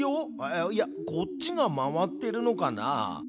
えっいやこっちが回ってるのかな？